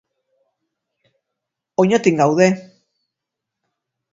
Oñatin gaude.